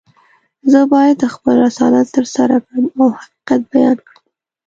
زه باید خپل رسالت ترسره کړم او حقیقت بیان کړم.